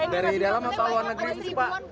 dari dalam atau luar negeri